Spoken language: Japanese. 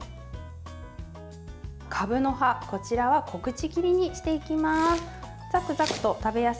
かぶの葉、こちらは小口切りにしていきます。